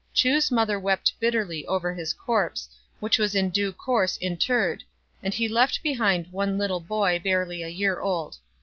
Chu's mother wept bitterly over his corpse, which was in due course interred ; and he left behind one little boy barely a year old.